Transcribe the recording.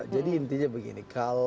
jadi intinya begini